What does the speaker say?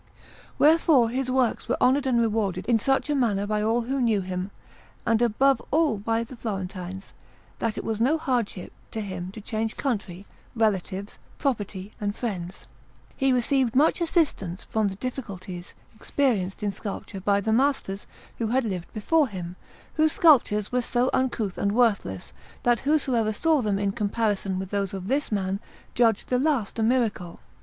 Wherefore his works were honoured and rewarded in such a manner by all who knew him, and above all by the Florentines, that it was no hardship to him to change country, relatives, property and friends. He received much assistance from the difficulties experienced in sculpture by the masters who had lived before him, whose sculptures were so uncouth and worthless that whosoever saw them in comparison with those of this man judged the last a miracle.